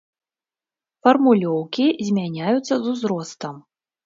Фармулёўкі змяняюцца з узростам.